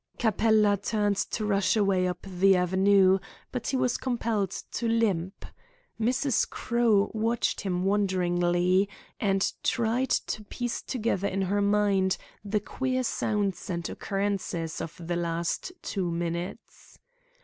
Capella turned to rush away up the avenue, but he was compelled to limp. Mrs. Crowe watched him wonderingly, and tried to piece together in her mind the queer sounds and occurrences of the last two minutes.